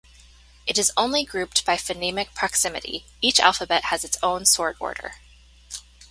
It is only grouped by phonemic proximity; each alphabet has its own sort order.